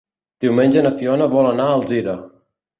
Diumenge na Fiona vol anar a Alzira.